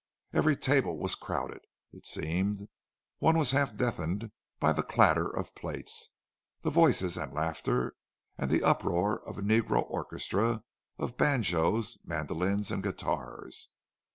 Every table was crowded, it seemed; one was half deafened by the clatter of plates, the voices and laughter, and the uproar of a negro orchestra of banjos, mandolins, and guitars.